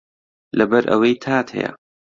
لەبەر ئەوەی تات هەیە